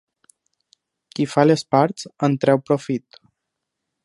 Qui fa les parts, en treu profit.